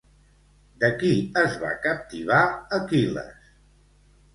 De qui es va captivar Aquil·les?